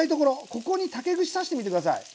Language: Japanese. ここに竹串刺してみて下さい。